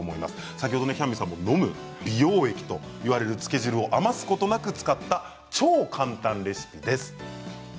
先ほどヒャンミさんも飲む美容液といわれた漬け汁も余すことなく使った超簡単レシピです。